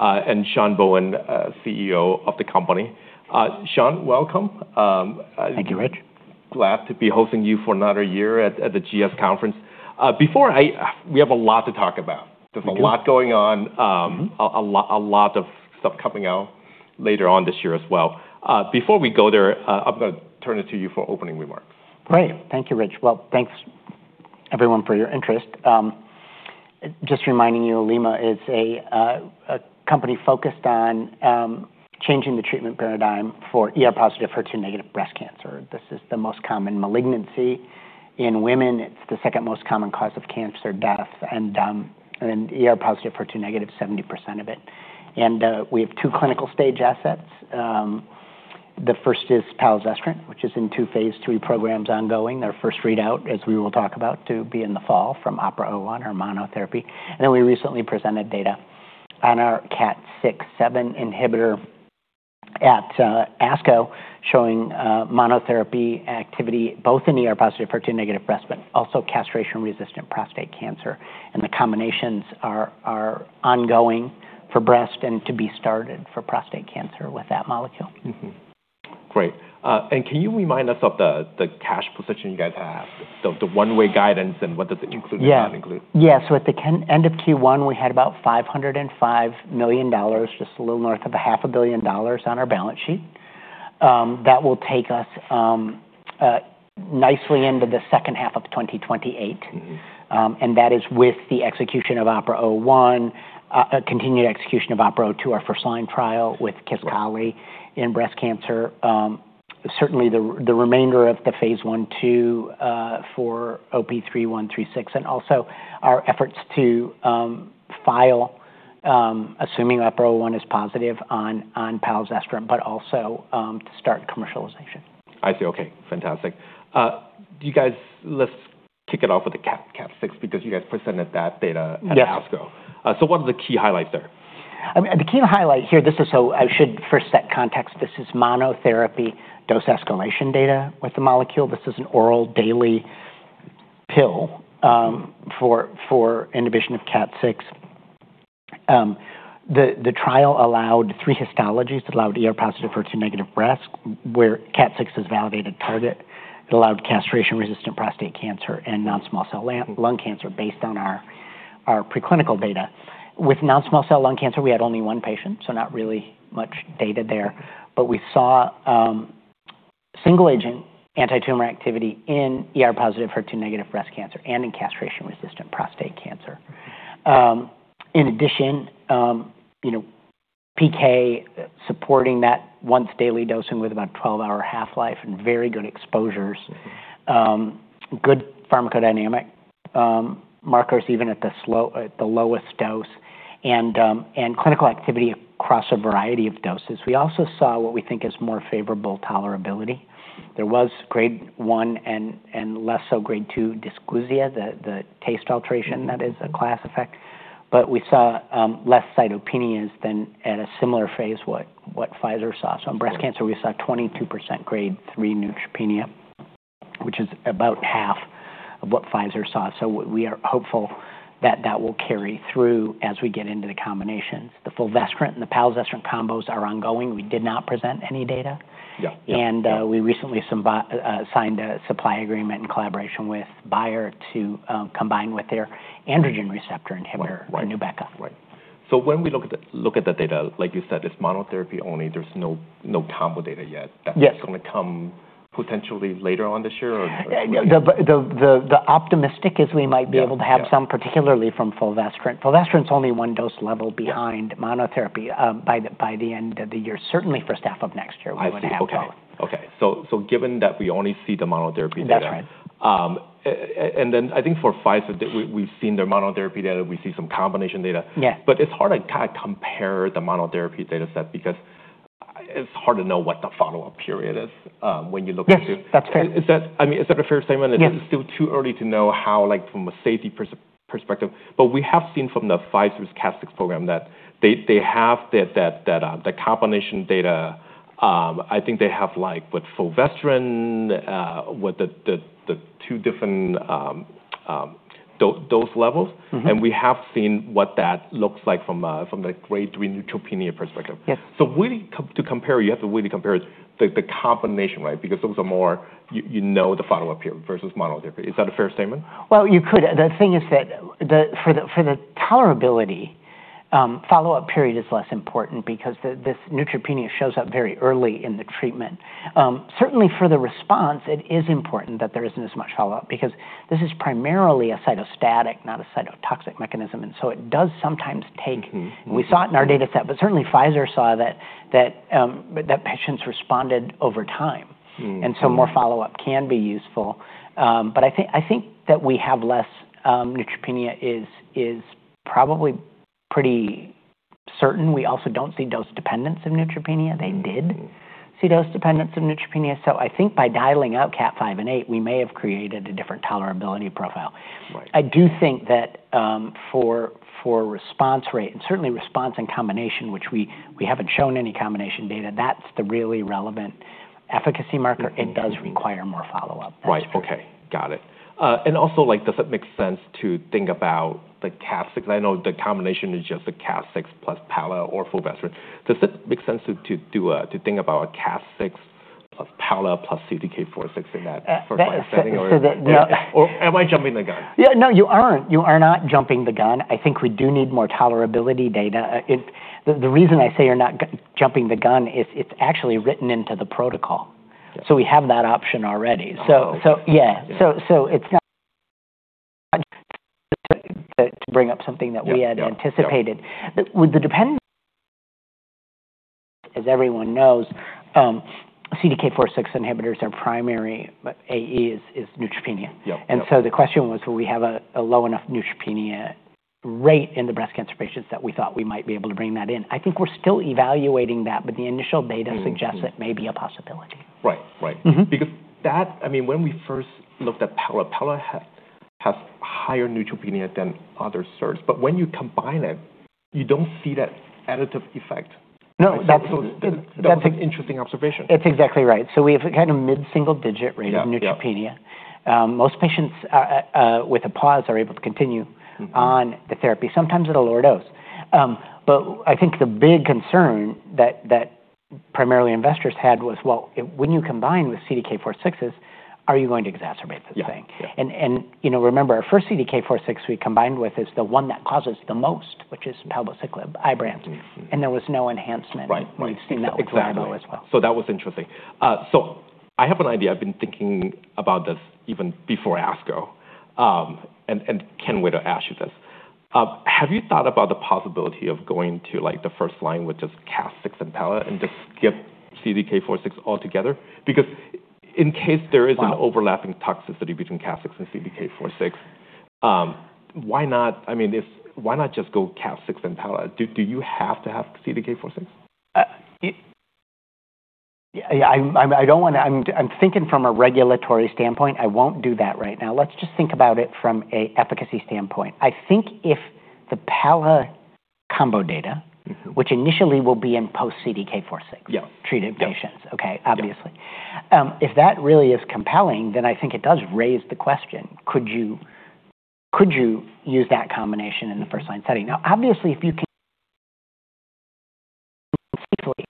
Sean Bohen, CEO of the company. Sean, welcome. Thank you, Rich. Glad to be hosting you for another year at the GS conference. We have a lot to talk about. Thank you. There's a lot going on. A lot of stuff coming out later on this year as well. Before we go there, I'm going to turn it to you for opening remarks. Great. Thank you, Rich. Well, thanks everyone for your interest. Just reminding you, Olema is a company focused on changing the treatment paradigm for ER+, HER2- breast cancer. This is the most common malignancy in women. It's the second most common cause of cancer death, ER+, HER2-, 70% of it. We have two clinical phase assets. The first is palazestrant, which is in two phase III programs ongoing. Their first readout, as we will talk about, to be in the fall from OPERA-01, our monotherapy. We recently presented data on our KAT6 inhibitor at ASCO, showing monotherapy activity both in ER+, HER2- breast, but also castration-resistant prostate cancer. The combinations are ongoing for breast and to be started for prostate cancer with that molecule. Great. Can you remind us of the cash position you guys have, the runway guidance, and what does it include and not include? Yeah. At the end of Q1, we had about $505 million, just a little north of a $500 million on our balance sheet. That will take us nicely into the second half of 2028. That is with the execution of OPERA-01, continued execution of OPERA-02, our first-line trial with KISQALI in breast cancer. Certainly, the remainder of the phase I/II for OP-3136, and also our efforts to file, assuming OPERA-01 is positive on palazestrant, to start commercialization. I see. Okay, fantastic. Let's kick it off with the KAT6 because you guys presented that data at ASCO. Yes. What are the key highlights there? I should first set context. This is monotherapy dose escalation data with the molecule. This is an oral daily pill for inhibition of KAT6. The trial allowed three histologies. It allowed ER+, HER2- breast, where KAT6 is a validated target. It allowed castration-resistant prostate cancer and non-small cell lung cancer based on our preclinical data. With non-small cell lung cancer, we had only one patient, not really much data there, but we saw single-agent antitumor activity in ER+, HER2- breast cancer and in castration-resistant prostate cancer. In addition, PK supporting that once-daily dosing with about 12-hour half-life and very good exposures. Good pharmacodynamic markers even at the lowest dose, and clinical activity across a variety of doses. We also saw what we think is more favorable tolerability. There was Grade 1 and less so Grade 2 dysgeusia, the taste alteration that is a class effect. We saw less cytopenias than at a similar phase what Pfizer saw. In breast cancer, we saw 22% Grade 3 neutropenia, which is about half of what Pfizer saw. We are hopeful that that will carry through as we get into the combinations. The fulvestrant and the palazestrant combos are ongoing. We did not present any data. Yeah. We recently signed a supply agreement in collaboration with Bayer to combine with their androgen receptor inhibitor, NUBEQA. Right. When we look at the data, like you said, it's monotherapy only. There's no combo data yet. Yes. That's going to come potentially later on this year, or- The optimistic is we might be able to have some, particularly from fulvestrant. Fulvestrant's only one dose level behind monotherapy by the end of the year. Certainly, for start of next year, we would have both. I see. Okay. Given that we only see the monotherapy data- That's right I think for Pfizer, we've seen their monotherapy data. We see some combination data. Yes. It's hard to compare the monotherapy data set because it's hard to know what the follow-up period is. Yes. That's fair I mean, is that a fair statement? Yes. This is still too early to know how, from a safety perspective, but we have seen from the Pfizer's KAT6 program that they have the combination data. I think they have with fulvestrant with the two different dose levels. We have seen what that looks like from the Grade 3 neutropenia perspective. Yes. To compare, you have to really compare the combination, right? Because those are you know the follow-up period versus monotherapy. Is that a fair statement? Well, you could. The thing is that for the tolerability, follow-up period is less important because this neutropenia shows up very early in the treatment. Certainly, for the response, it is important that there isn't as much follow-up because this is primarily a cytostatic, not a cytotoxic mechanism, it does sometimes. We saw it in our data set, but certainly Pfizer saw that patients responded over time. More follow-up can be useful. I think that we have less neutropenia is probably pretty certain. We also don't see dose dependence in neutropenia. They did see dose dependence in neutropenia. I think by dialing out CDK5 and 8, we may have created a different tolerability profile. Right. I do think that for response rate, and certainly response in combination, which we haven't shown any combination data, that's the really relevant efficacy marker, it does require more follow-up. That's true. Right. Okay. Got it. Does it make sense to think about the KAT6? I know the combination is just the KAT6 plus pala or fulvestrant. Does it make sense to think about KAT6 plus pala plus CDK4/6 in that first-line setting? No. Am I jumping the gun? Yeah. No, you aren't. You are not jumping the gun. I think we do need more tolerability data. The reason I say you're not jumping the gun is it's actually written into the protocol. Yeah. We have that option already. Okay. Yeah. It's not to bring up something. Yeah Had anticipated. As everyone knows, CDK4/6 inhibitors, their primary AE is neutropenia. Yep. The question was, will we have a low enough neutropenia rate in the breast cancer patients that we thought we might be able to bring that in? I think we're still evaluating that, but the initial data suggests. It may be a possibility. Right. That, when we first looked at pala has higher neutropenia than other SERDs, but when you combine it, you don't see that additive effect. No, that's. That was an interesting observation. It's exactly right. We have a mid-single-digit rate. Yeah Of neutropenia. Most patients with a pause are able to continue on the therapy, sometimes at a lower dose. I think the big concern that primarily investors had was, well, when you combine with CDK4/6s, are you going to exacerbate this thing? Yeah. Remember, our first CDK4/6 we combined with is the one that causes the most, which is palazestrant, IBRANCE. There was no enhancement. Right. We've seen that with LYNPARZA as well. Exactly. That was interesting. I have an idea. I've been thinking about this even before ASCO. Ken, wait until I ask you this. Have you thought about the possibility of going to the first line with just KAT6 and pala and just skip CDK4/6 altogether? In case there is Wow. An overlapping toxicity between KAT6 and CDK4/6, why not just go KAT6 and pala? Do you have to have CDK4/6? Yeah. I'm thinking from a regulatory standpoint, I won't do that right now. Think about it from a efficacy standpoint. I think if the pala combo data. Which initially will be in post-CDK4/6. Yeah. Treated patients. Yeah Okay, obviously. If that really is compelling, then I think it does raise the question, could you use that combination in the first-line setting? Now, obviously, if you can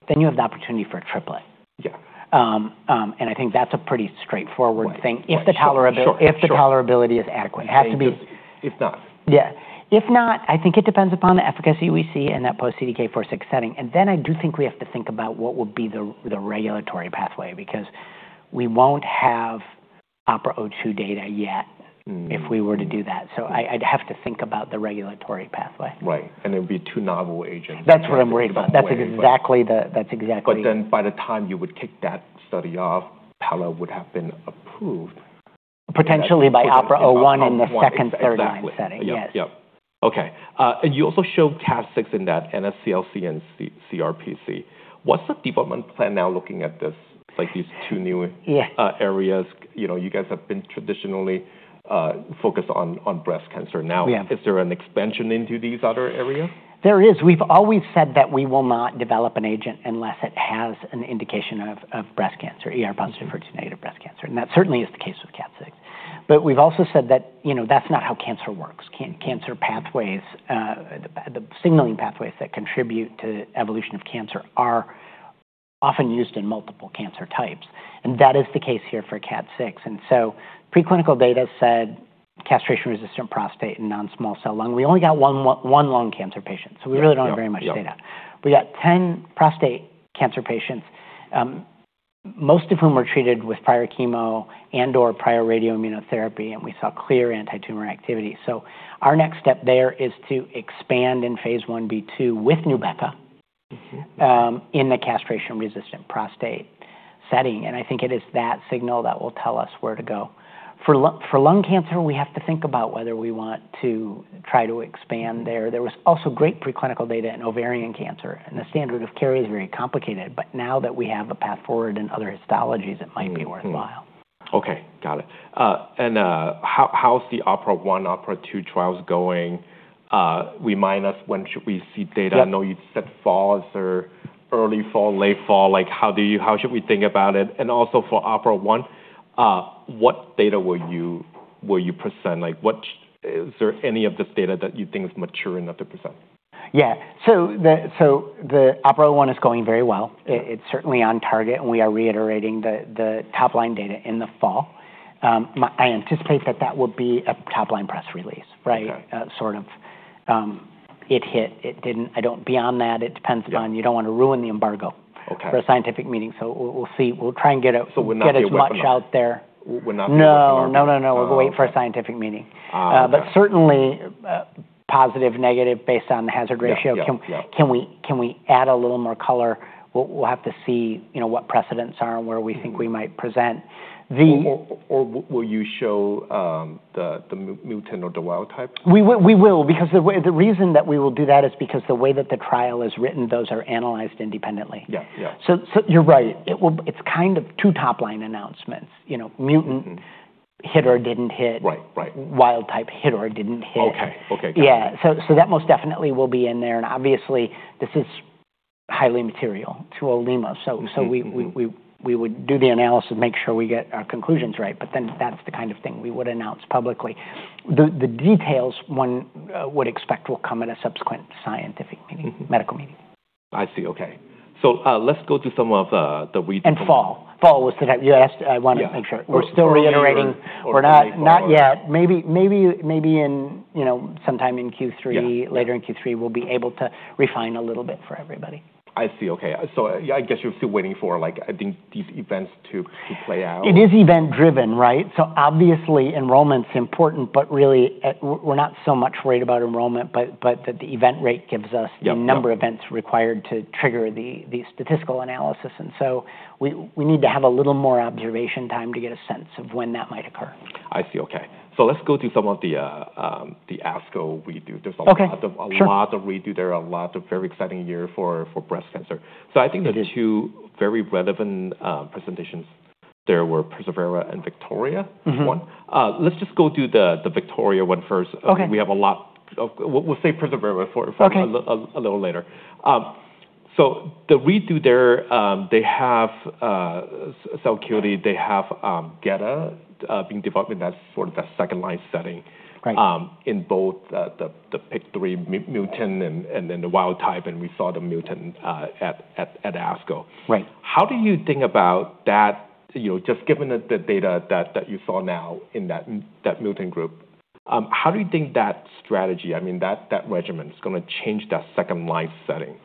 then you have the opportunity for a triplet. Yeah. I think that's a pretty straightforward thing. Right. If the tolerability Sure. Is adequate. It has to be- If not. Yeah. If not, I think it depends upon the efficacy we see in that post-CDK4/6 setting, and then I do think we have to think about what will be the regulatory pathway because we won't have OPERA-02 data yet- If we were to do that. I'd have to think about the regulatory pathway. Right. It would be two novel agents. That's what I'm worried about. That's exactly. By the time you would kick that study off, Pala would have been approved. Potentially by OPERA-01 in the second third line setting. Exactly. Yep. Yes. You also showed KAT6 in that NSCLC and CRPC. What's the development plan now looking at this, like these two new- Yeah. Areas? You guys have been traditionally focused on breast cancer. Now- Yeah. Is there an expansion into these other areas? There is. We've always said that we will not develop an agent unless it has an indication of breast cancer, ER+, HER2- breast cancer, that certainly is the case with KAT6. We've also said that's not how cancer works. Cancer pathways, the signaling pathways that contribute to evolution of cancer are often used in multiple cancer types, that is the case here for KAT6. Preclinical data said castration-resistant prostate and non-small cell lung. We only got one lung cancer patient- Yeah. We really don't have very much data. We got 10 prostate cancer patients, most of whom were treated with prior chemo and/or prior radioimmunotherapy, we saw clear antitumor activity. Our next step there is to expand in phase I/II with NUBEQA- In the castration-resistant prostate setting, I think it is that signal that will tell us where to go. For lung cancer, we have to think about whether we want to try to expand there. There was also great preclinical data in ovarian cancer, the standard of care is very complicated. Now that we have a path forward in other histologies- It might be worthwhile. Okay. Got it. How's the OPERA-01, OPERA-02 trials going? Remind us when should we see data? Yeah. I know you said fall. Is there early fall, late fall? How should we think about it? Also for OPERA-01, what data will you present? Is there any of this data that you think is mature enough to present? Yeah. The OPERA-01 is going very well. Yeah. It's certainly on target, and we are reiterating the top-line data in the fall. I anticipate that that will be a top-line press release. Okay. Sort of it hit, it didn't. Beyond that, it depends upon Yeah You don't want to ruin the embargo. Okay For a scientific meeting, we'll see. We'll try and get as. Would not be a weapon Much out there. Would not be a weapon embargo. No. We'll wait for a scientific meeting. Okay. Certainly, positive, negative based on the hazard ratio. Yeah. Can we add a little more color? We'll have to see what precedents are and where we think we might present. Will you show the mutant or the wild type? We will because the reason that we will do that is because the way that the trial is written, those are analyzed independently. Yeah. You're right. It's kind of two top-line announcements. Mutant-Hit or didn't hit. Right Wild type hit or didn't hit. Okay, got it. Yeah. That most definitely will be in there, and obviously this is highly material to Olema. We would do the analysis and make sure we get our conclusions right, but then that's the kind of thing we would announce publicly. The details one would expect will come at a subsequent scientific meeting, medical meeting. I see, okay. Let's go to some of the. Fall. You asked, I wanted to make sure. We're still. Fall We're not yet. Maybe sometime in Q3. Yeah. Later in Q3, we'll be able to refine a little bit for everybody. I see, okay. I guess you're still waiting for these events to play out? It is event driven, right? Obviously enrollment's important, but really, we're not so much worried about enrollment, but that the event rate gives us. Yeah. The number of events required to trigger the statistical analysis. We need to have a little more observation time to get a sense of when that might occur. I see, okay. Let's go to some of the ASCO redo. There's a lot. Okay. Sure. Of redo there, a lot of very exciting year for breast cancer. I think the two very relevant presentations there were persevERA and VIKTORIA-1. One, let's just go do the VIKTORIA-1 one first. Okay. We'll save persevERA for- Okay A little later. The redo there, they have inavolisib, they have gedatolisib being developed, and that's sort of that second-line setting. Right. In both the PIK3CA mutant and then the wild type, and we saw the mutant at ASCO. Right. How do you think about that, just given the data that you saw now in that mutant group, how do you think that strategy, I mean, that regimen is going to change that second-line setting?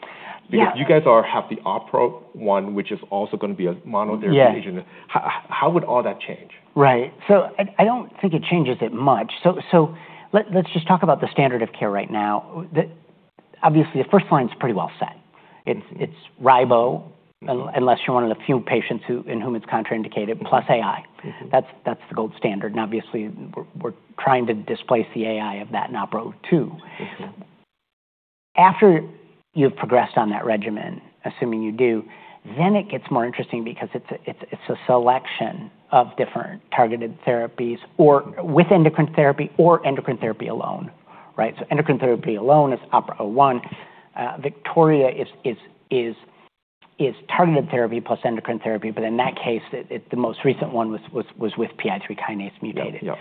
Yeah. You guys have the OPERA-01, which is also going to be a monotherapy agent. Yeah. How would all that change? Right. I don't think it changes it much. Let's just talk about the standard of care right now. Obviously, the first line's pretty well set. It's ribo, unless you're one of the few patients in whom it's contraindicated, plus AI. That's the gold standard, obviously we're trying to displace the AI of that in OPERA-02. After you've progressed on that regimen, assuming you do, then it gets more interesting because it's a selection of different targeted therapies with endocrine therapy or endocrine therapy alone. Right? Endocrine therapy alone is OPERA-01. VIKTORIA-1 is targeted therapy plus endocrine therapy, but in that case, the most recent one was with PI3 kinase mutated. Yep.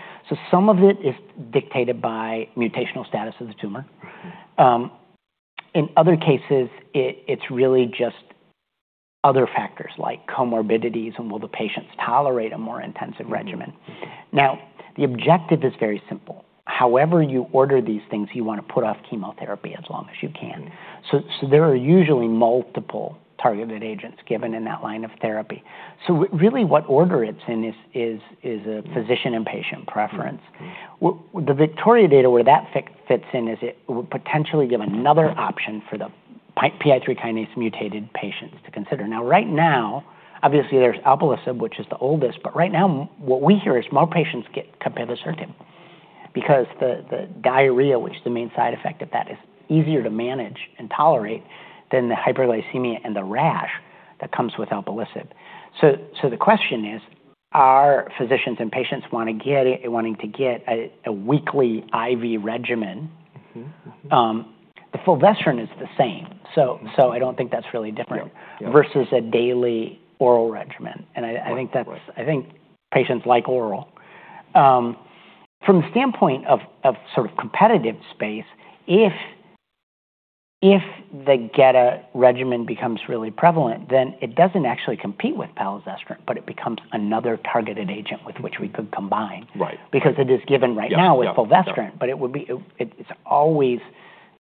Some of it is dictated by mutational status of the tumor. In other cases, it's really just other factors like comorbidities and will the patients tolerate a more intensive regimen. Now, the objective is very simple. However you order these things, you want to put off chemotherapy as long as you can. There are usually multiple targeted agents given in that line of therapy. Really what order it's in is a physician and patient preference. The VIKTORIA-1 data, where that fits in is it will potentially give another option for the PI3 kinase mutated patients to consider. Now, right now, obviously there's alpelisib, which is the oldest, but right now what we hear is more patients get capivasertib because the diarrhea, which is the main side effect of that, is easier to manage and tolerate than the hyperglycemia and the rash that comes with alpelisib. The question is, are physicians and patients wanting to get a weekly IV regimen? The fulvestrant is the same, so I don't think that's really different. Yeah Versus a daily oral regimen. I think that. Right Patients like oral. From the standpoint of sort of competitive space, if the gedatolisib regimen becomes really prevalent, then it doesn't actually compete with palazestrant, but it becomes another targeted agent with which we could combine. Right. It is given right now. Yeah With fulvestrant, it's always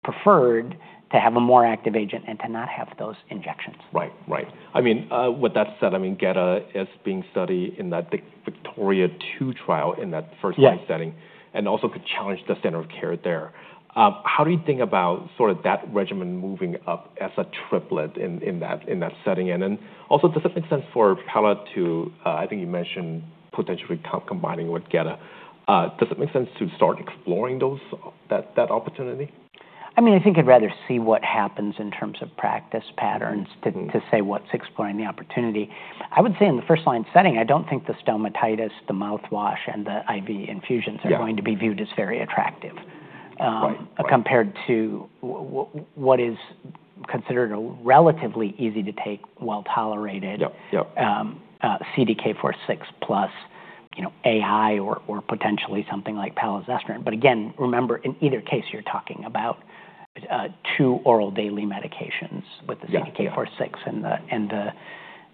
preferred to have a more active agent and to not have those injections. Right. With that said, GETA is being studied in that VIKTORIA II trial in that first-line setting. Yeah Also could challenge the standard of care there. How do you think about that regimen moving up as a triplet in that setting? Does it make sense for pala, I think you mentioned potentially combining with gedatolisib. Does it make sense to start exploring that opportunity? I think I'd rather see what happens in terms of practice patterns than to say what's exploring the opportunity. I would say in the first-line setting, I don't think the stomatitis, the mouthwash, and the IV infusions. Yeah Are going to be viewed as very attractive? Right Compared to what is considered a relatively easy to take, well-tolerated. Yep CDK4/6 plus AI or potentially something like palazestrant. Again, remember, in either case, you're talking about two oral daily medications with the. Yeah CDK4/6 and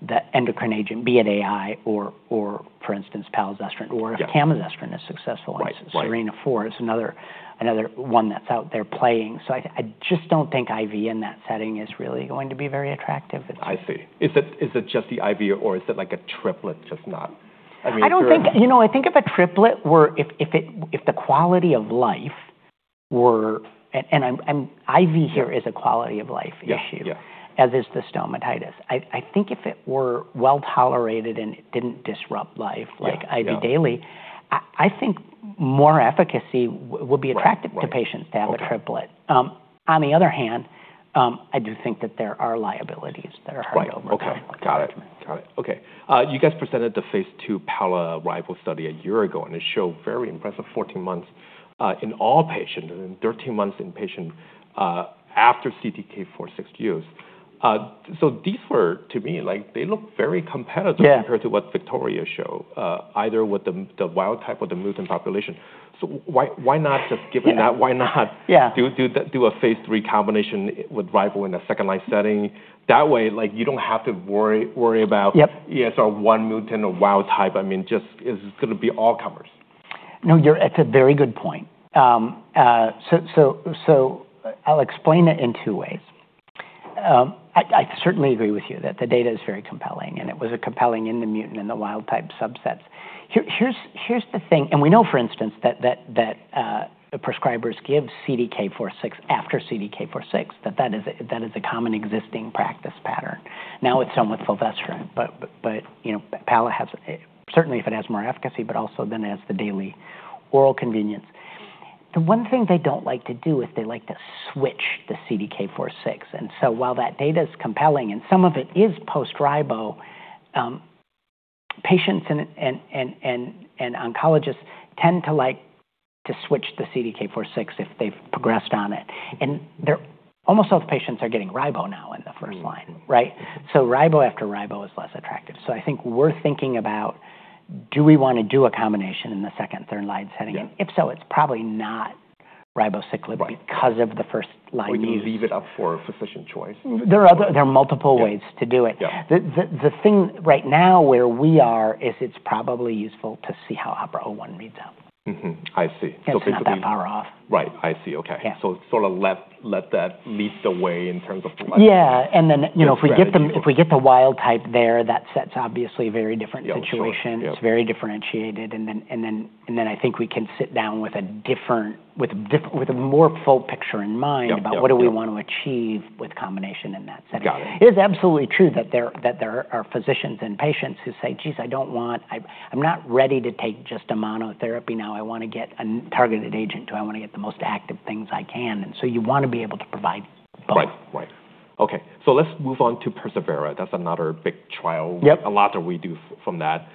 the endocrine agent, be it AI or for instance, palazestrant. Yeah If tamoxifen is successful- Right SERENA-4 is another one that's out there playing. I just don't think IV in that setting is really going to be very attractive. I see. Is it just the IV or is it like a triplet, just not I mean, if you're- I think if a triplet were. If the quality of life were, and IV here is a quality of life issue- Yeah As is the stomatitis. I think if it were well-tolerated and it didn't disrupt life like IV daily- Yeah I think more efficacy would be attractive- Right To patients to have a triplet. On the other hand I do think that there are liabilities that are hard to overcome. Right. Okay. Got it. You guys presented the phase II PALA-RIBO study a year ago, and it showed very impressive 14 months in all patients and 13 months in patients after CDK4/6 use. These were, to me, they look very competitive- Yeah Compared to what VIKTORIA showed, either with the wild type or the mutant population. Why not just given that- Yeah Why not do a phase III combination with ribo in a second line setting? That way, you don't have to worry about- Yep ESR1 mutant or wild type. It's going to be all comers. No, you're at a very good point. I'll explain it in two ways. I certainly agree with you that the data is very compelling, and it was compelling in the mutant and the wild type subsets. Here's the thing, and we know, for instance, that the prescribers give CDK4/6 after CDK4/6, that is a common existing practice pattern. Now it's somewhat fulvestrant, but pala has, certainly if it has more efficacy, but also then has the daily oral convenience. The one thing they don't like to do is they like to switch the CDK4/6. While that data's compelling, and some of it is post-ribo, patients and oncologists tend to like to switch the CDK4/6 if they've progressed on it. Almost all the patients are getting ribo now in the first line, right? Ribo after ribo is less attractive. I think we're thinking about do we want to do a combination in the second, third line setting? Yeah. If so, it's probably not ribociclib because of the first line use. You leave it up for physician choice. There are multiple ways to do it. Yeah. The thing right now where we are is it's probably useful to see how OPERA-01 reads out. Mm-hmm. I see. It's not that far off. Right. I see. Okay. Yeah. Sort of let that lead the way in terms of the label. Yeah. If we get the wild type there, that sets obviously a very different situation. Yeah, sure. Yeah. It's very differentiated. I think we can sit down with a more full picture in mind. Yep About what do we want to achieve with combination in that setting. Got it. It is absolutely true that there are physicians and patients who say, "Geez, I'm not ready to take just a monotherapy now. I want to get a targeted agent. I want to get the most active things I can." You want to be able to provide both. Right. Okay. Let's move on to persevERA. That's another big trial. Yep. A lot to redo from that.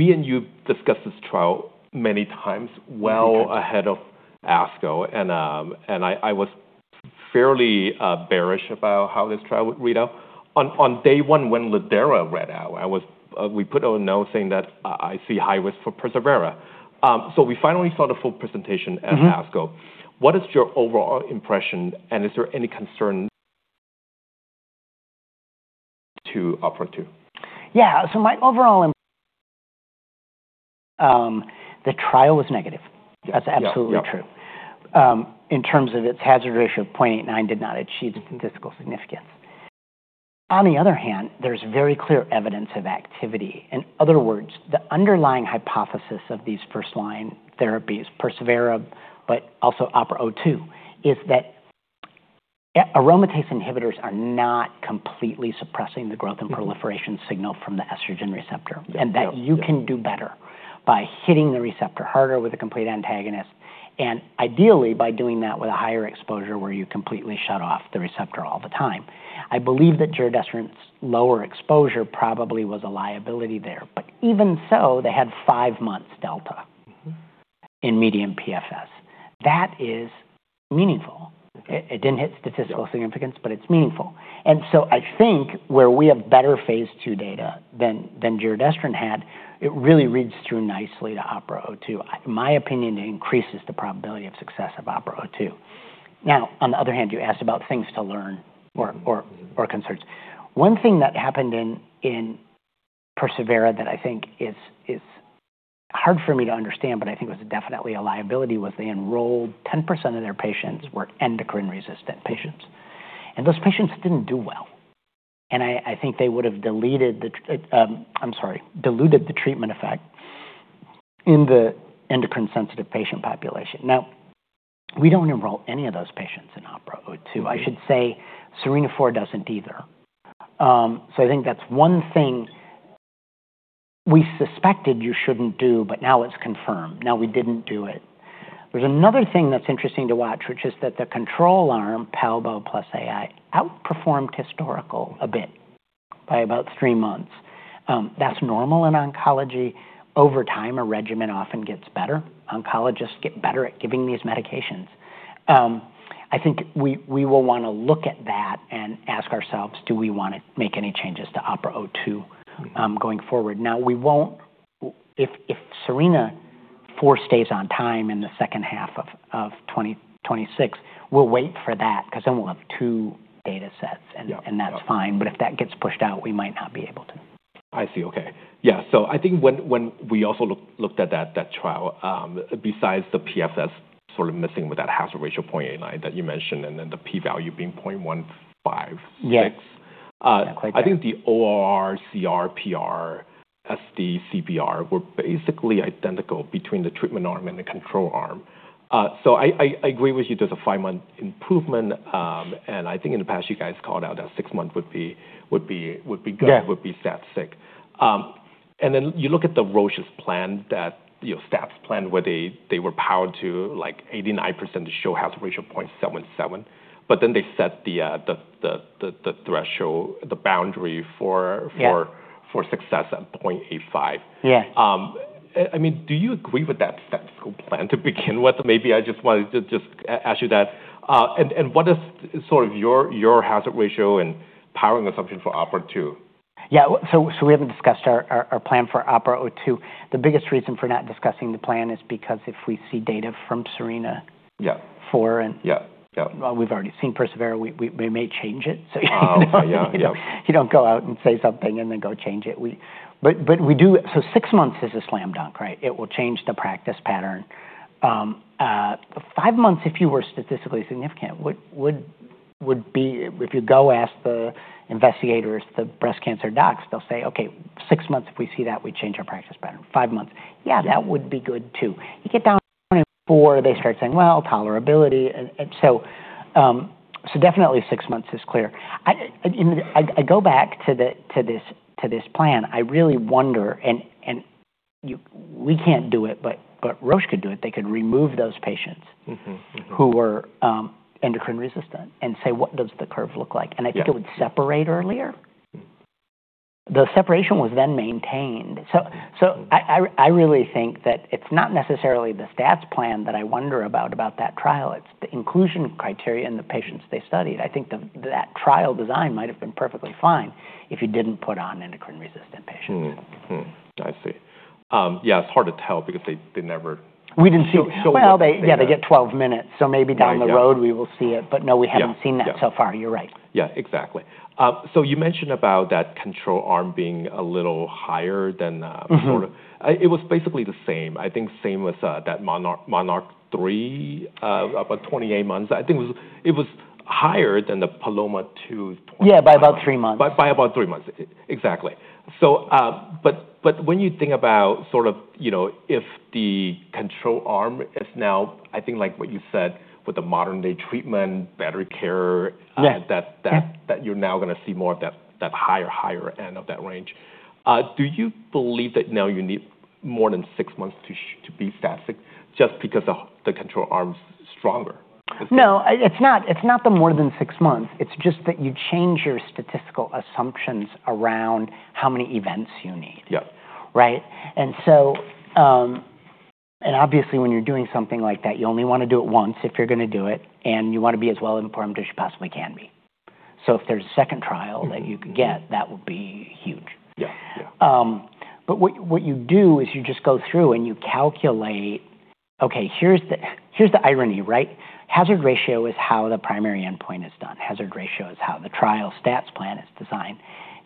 Me and you discussed this trial many times well ahead of ASCO, and I was fairly bearish about how this trial would read out. On day one when lidERA read out, we put out a note saying that I see high risk for persevERA. We finally saw the full presentation at ASCO. What is your overall impression, and is there any concern to OPERA-02? My overall impression, the trial was negative. Yeah. That's absolutely true. In terms of its hazard ratio of 0.89x did not achieve statistical significance. On the other hand, there's very clear evidence of activity. In other words, the underlying hypothesis of these first-line therapies, persevERA, but also OPERA-02, is that aromatase inhibitors are not completely suppressing the growth and proliferation signal from the estrogen receptor, and that you can do better by hitting the receptor harder with a complete antagonist, and ideally by doing that with a higher exposure where you completely shut off the receptor all the time. I believe that giredestrant's lower exposure probably was a liability there. Even so, they had five months delta in median PFS. That is meaningful. Okay. It didn't hit statistical significance, but it's meaningful. I think where we have better phase II data than giredestrant had, it really reads through nicely to OPERA-02. In my opinion, it increases the probability of success of OPERA-02. On the other hand, you asked about things to learn or concerns. One thing that happened in persevERA that I think is hard for me to understand, but I think was definitely a liability, was they enrolled 10% of their patients were endocrine-resistant patients. Those patients didn't do well, and I think they would've diluted the treatment effect in the endocrine-sensitive patient population. We don't enroll any of those patients in OPERA-02. I should say SERENA-4 doesn't either. I think that's one thing we suspected you shouldn't do, but now it's confirmed. We didn't do it. There's another thing that's interesting to watch, which is that the control arm, palbo plus AI, outperformed historical a bit by about three months. That's normal in oncology. Over time, a regimen often gets better. Oncologists get better at giving these medications. I think we will want to look at that and ask ourselves, do we want to make any changes to OPERA-02 going forward? If SERENA-4 stays on time in the second half of 2026, we'll wait for that because then we'll have two data sets, and that's fine. If that gets pushed out, we might not be able to. I see, okay. I think when we also looked at that trial, besides the PFS sort of missing with that hazard ratio 0.89x that you mentioned and then the P value being 0.156x. Yes. I think the ORR, CR, PR, SD, CBR were basically identical between the treatment arm and the control arm. I agree with you, there's a five-month improvement, and I think in the past you guys called out that six months would be good. Yeah Would be statistically significant. Then you look at the Roche's plan, stats plan, where they were powered to 89% to show hazard ratio 0.77x. They set the threshold, the boundary for. Yeah For success at 0.85x. Yes. Do you agree with that statistical plan to begin with? Maybe I wanted to ask you that. What is your hazard ratio and powering assumption for OPERA-02? Yeah. We haven't discussed our plan for OPERA-02. The biggest reason for not discussing the plan is because if we see data from SERENA-4. Yeah We've already seen persevERA, we may change it. Oh, yeah. You don't go out and say something and then go change it. Six months is a slam dunk, right? It will change the practice pattern. Five months, if you were statistically significant, if you go ask the investigators, the breast cancer docs, they'll say, "Okay, six months if we see that, we change our practice pattern. Five months, yeah, that would be good, too." You get down to four, they start saying, "Well, tolerability." Definitely six months is clear. I go back to this plan. I really wonder, and we can't do it, but Roche could do it. They could remove those patients- Who were endocrine-resistant and say, "What does the curve look like? Yeah. I think it would separate earlier. The separation was then maintained. I really think that it's not necessarily the stats plan that I wonder about that trial. It's the inclusion criteria and the patients they studied. I think that trial design might have been perfectly fine if you didn't put on endocrine-resistant patients. Mm-hmm. I see. It's hard to tell because they. We didn't see. Well, they get 12 minutes, maybe down the road we will see it. No, we haven't seen that so far. You're right. Exactly. You mentioned about that control arm being a little higher than It was basically the same, I think same with that MONARCH-3, about 28 months. I think it was higher than the PALOMA-2. Yeah, by about three months. By about three months. Exactly. When you think about if the control arm is now, I think like what you said, with the modern day treatment, better care- Yeah That you're now going to see more of that higher end of that range. Do you believe that now you need more than six months to be statistical just because the control arm's stronger? No, it's not the more than six months, it's just that you change your statistical assumptions around how many events you need. Yep. Right? Obviously when you're doing something like that, you only want to do it once if you're going to do it, and you want to be as well-informed as you possibly can be. If there's a second trial that you can get, that would be huge. Yeah. What you do is you just go through and you calculate, okay, here's the irony, right? Hazard ratio is how the primary endpoint is done. Hazard ratio is how the trial stats plan is designed.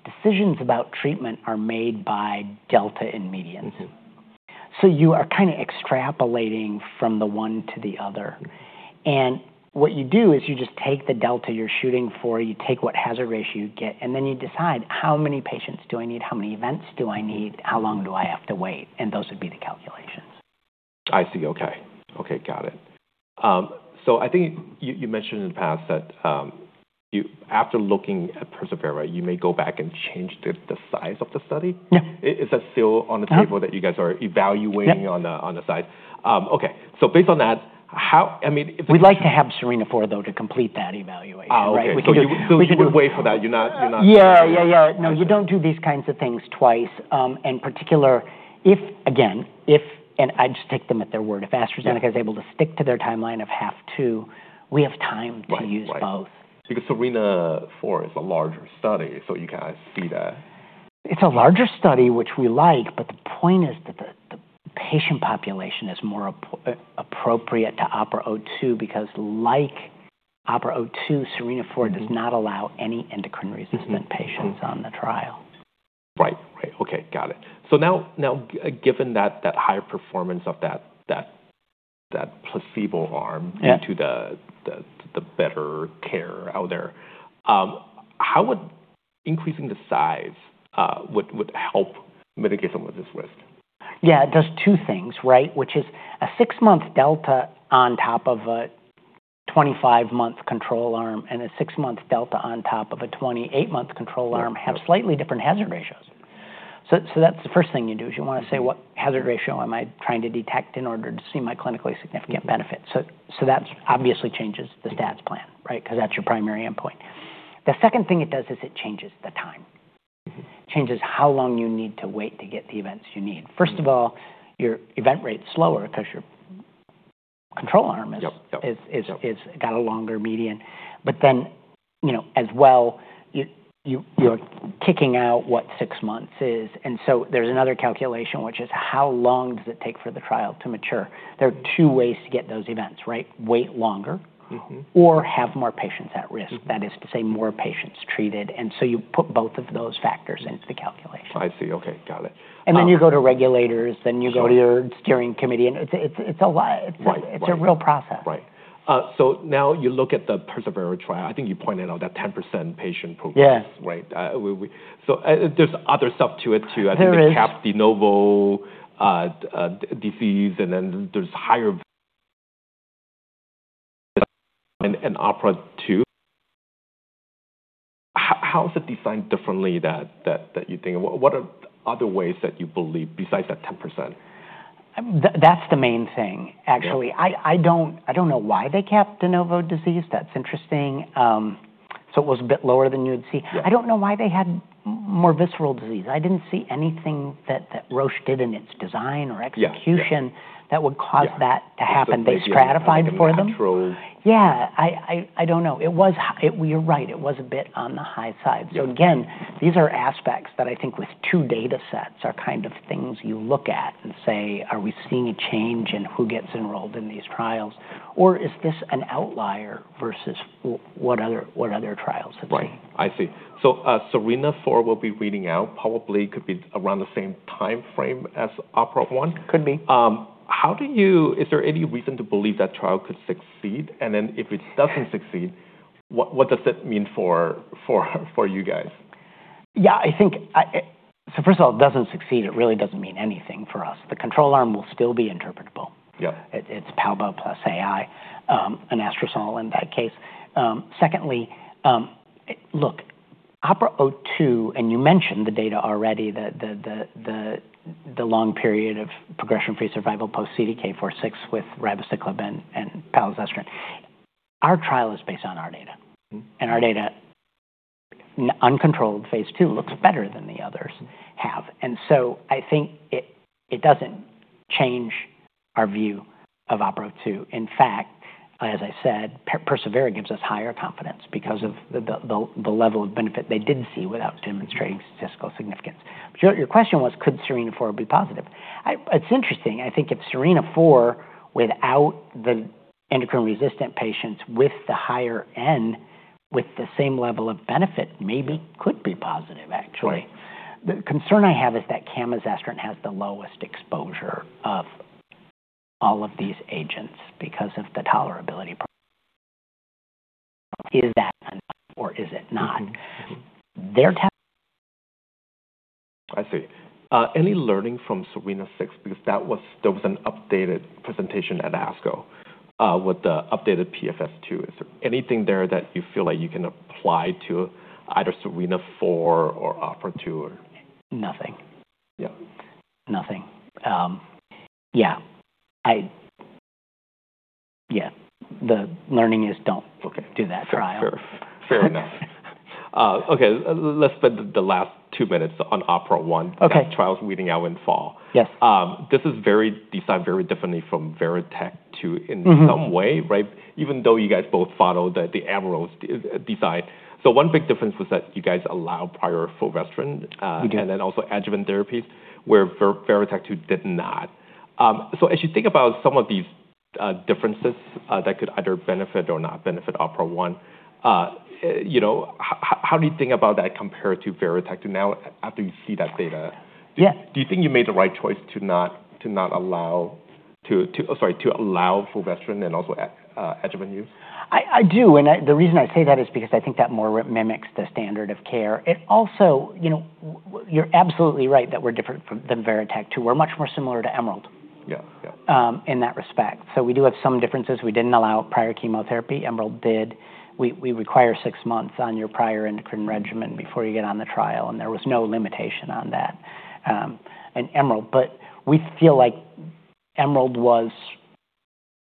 Decisions about treatment are made by delta and medians. You are extrapolating from the one to the other. What you do is you just take the delta you're shooting for, you take what Hazard ratio you get, then you decide, how many patients do I need? How many events do I need? How long do I have to wait? Those would be the calculations. I see, okay. Okay, got it. I think you mentioned in the past that after looking at persevERA, you may go back and change the size of the study. Yeah. Is that still on the table that you guys are evaluating. Yep On the size? Okay. Based on that, if it's. We'd like to have SERENA-4, though, to complete that evaluation, right? We can do. You would wait for that. You're not. Yeah. No, you don't do these kinds of things twice. In particular, if, again, if, and I just take them at their word, if AstraZeneca is able to stick to their timeline of half two, we have time to use both. SERENA-4 is a larger study, you can see that. It's a larger study, which we like. The point is that the patient population is more appropriate to OPERA-02, like OPERA-02, SERENA-4 does not allow any endocrine-resistant patients on the trial. Right. Okay. Got it. Now, given that higher performance of that placebo arm. Yeah Due to the better care out there, how would increasing the size help mitigate some of this risk? Yeah, it does two things, right? Which is a six-month delta on top of a 25-month control arm and a six-month delta on top of a 28-month control arm have slightly different hazard ratios. That's the first thing you do, is you want to say, what hazard ratio am I trying to detect in order to see my clinically significant benefit? That obviously changes the stats plan, right? Because that's your primary endpoint. The second thing it does is it changes the time. Changes how long you need to wait to get the events you need. First of all, your event rate's slower because your control arm has- Yep Got a longer median. As well, you're kicking out what six months is. There's another calculation, which is how long does it take for the trial to mature? There are two ways to get those events, right? Wait longer- Or have more patients at risk. That is to say, more patients treated. You put both of those factors into the calculation. I see. Okay. Got it. You go to regulators, then you go to your steering committee, and it's a real process. Right. You look at the persevERA trial. I think you pointed out that 10% patient progress- Yes Right? There's other stuff to it, too. There is. I think the cap de novo disease, and then there's higher. OPERA-2, how is it defined differently that you think? What are other ways that you believe, besides that 10%? That's the main thing, actually. Yeah. I don't know why they capped de novo disease. That's interesting. It was a bit lower than you would see. Yeah. I don't know why they had more visceral disease. I didn't see anything that Roche did in its design or execution. Yeah That would cause that to happen. They stratified for them. In the control. Yeah. I don't know. You're right, it was a bit on the high side. Yeah. Again, these are aspects that I think with two data sets are things you look at and say, "Are we seeing a change in who gets enrolled in these trials, or is this an outlier versus what other trials have seen? Right. I see. SERENA-4 will be reading out probably could be around the same timeframe as OPERA-01. Could be. Is there any reason to believe that trial could succeed? If it doesn't succeed, what does it mean for you guys? Yeah. First of all, it doesn't succeed, it really doesn't mean anything for us. The control arm will still be interpretable. Yeah. It's palazestrant plus AI, and anastrozole in that case. Secondly, look, OPERA-02, you mentioned the data already, the long period of progression-free survival post CDK4/6 with ribociclib and palazestrant. Our trial is based on our data, our data, uncontrolled phase II looks better than the others have. I think it doesn't change our view of OPERA-02. In fact, as I said, persevERA gives us higher confidence because of the level of benefit they did see without demonstrating statistical significance. Your question was, could SERENA-4 be positive? It's interesting. I think if SERENA-4, without the endocrine-resistant patients with the higher N, with the same level of benefit, maybe could be positive, actually. Right. The concern I have is that camizestrant has the lowest exposure of all of these agents because of the tolerability. Is that enough or is it not? I see. Any learning from SERENA-6 because there was an updated presentation at ASCO, with the updated PFS-2. Is there anything there that you feel like you can apply to either SERENA-4 or OPERA-2? Nothing. Yeah. Nothing. Yeah. The learning is don't- Okay Do that trial. Fair enough. Okay. Let's spend the last two minutes on OPERA-01. Okay. That trial's reading out in fall. Yes. This is designed very differently from VERITAC-2. In some way, right? Even though you guys both follow the EMERALD design. One big difference was that you guys allow prior fulvestrant. We did. Also adjuvant therapies, where VERITAC-2 did not. As you think about some of these differences that could either benefit or not benefit OPERA-01, how do you think about that compared to VERITAC-2 now after you see that data? Yeah. Do you think you made the right choice to allow fulvestrant and also adjuvant use? I do, and the reason I say that is because I think that more mimics the standard of care. You're absolutely right that we're different from VERITAC-2. We're much more similar to EMERALD Yeah In that respect. We do have some differences. We didn't allow prior chemotherapy, EMERALD did. We require six months on your prior endocrine regimen before you get on the trial, and there was no limitation on that in EMERALD. We feel like EMERALD was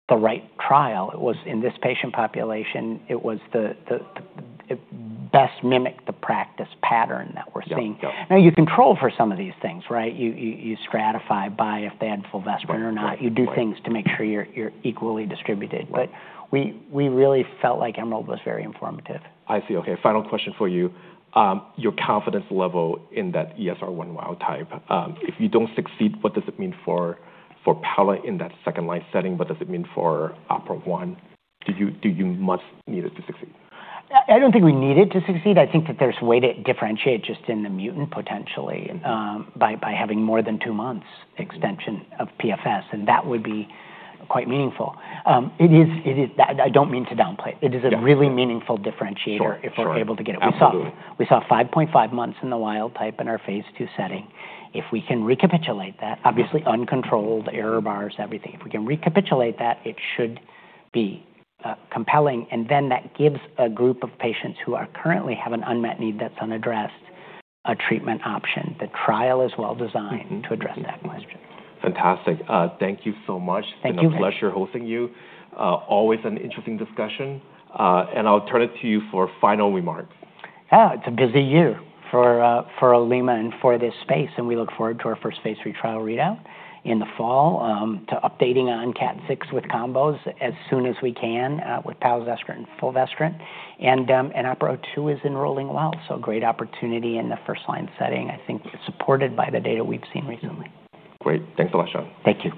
the right trial. In this patient population, it best mimic the practice pattern that we're seeing. Yeah. You control for some of these things, right? You stratify by if they had fulvestrant or not. Right. You do things to make sure you're equally distributed. Right. We really felt like EMERALD was very informative. I see. Okay. Final question for you. Your confidence level in that ESR1 wild type, if you don't succeed, what does it mean for pala in that second-line setting? What does it mean for OPERA-01? Do you much need it to succeed? I don't think we need it to succeed. I think that there's a way to differentiate just in the mutant, potentially. By having more than two months extension of PFS, That would be quite meaningful. I don't mean to downplay it. Yeah. It is a really meaningful differentiator. Sure if we're able to get it. Absolutely. We saw 5.5 months in the wild type in our phase II setting. If we can recapitulate that, obviously uncontrolled, error bars, everything. If we can recapitulate that, it should be compelling, and then that gives a group of patients who currently have an unmet need that's unaddressed, a treatment option. The trial is well-designed to address that question. Fantastic. Thank you so much. Thank you. It's been a pleasure hosting you. Always an interesting discussion. I'll turn it to you for final remarks. Yeah. It's a busy year for Olema and for this space, and we look forward to our first phase III trial readout in the fall, to updating on KAT6 with combos as soon as we can, with palazestrant and fulvestrant. OPERA-02 is enrolling well, so great opportunity in the first-line setting, I think supported by the data we've seen recently. Great. Thanks a lot, Sean. Thank you.